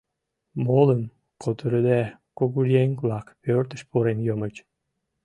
Молым кутырыде, кугыеҥ-влак пӧртыш пурен йомыч.